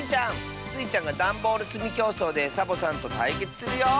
スイちゃんがだんボールつみきょうそうでサボさんとたいけつするよ！